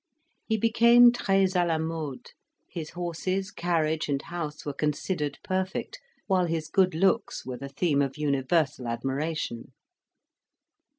He became tres a la mode: his horses, carriage, and house were considered perfect, while his good looks were the theme of universal admiration.